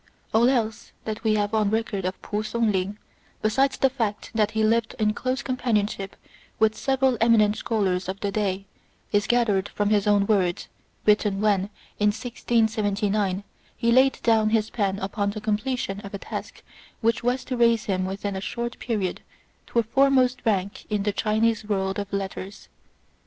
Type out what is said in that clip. All else that we have on record of P'u Sung ling, besides the fact that he lived in close companionship with several eminent scholars of the day, is gathered from his own words, written when, in 1629, he laid down his pen upon the completion of a task which was to raise him within a short period to a foremost rank in the Chinese world of letters.